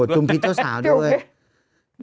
จุมพิษเจ้าสาวด้วย